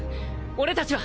俺たちは。